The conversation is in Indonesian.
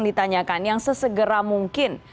ditanyakan yang sesegera mungkin